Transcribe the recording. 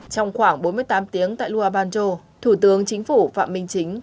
trong khoảng bốn mươi tám tiếng tại luabancho thủ tướng chính phủ phạm minh chính